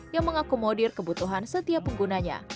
yang mengakomodir kebutuhan setiap penggunanya